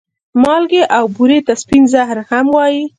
مالګې او بورې ته سپين زهر هم وايې